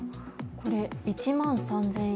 これは１万３０００円。